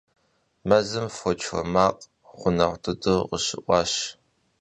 Мэзым фоч уэ макъ гъунэгъу дыдэу къыщыӀуащ.